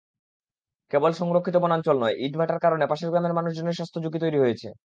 কেবল সংরক্ষিত বনাঞ্চল নয়, ইটভাটার কারণে পাশের গ্রামের মানুষজনের স্বাস্থ্যঝুঁকি তৈরি হয়েছে।